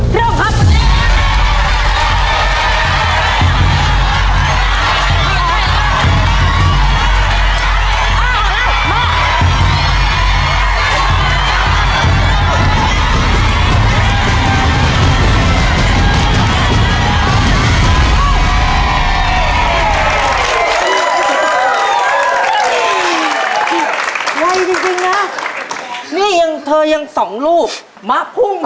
เริ่มครับคุณแอม